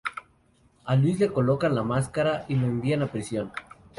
A Luis le colocan la máscara y lo envían a prisión.